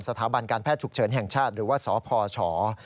สถาบันการแพทย์ฉุกเฉินแห่งชาติหรือว่าสพช